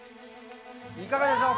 いかがでしょうか？